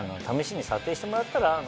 試しに査定してもらったら？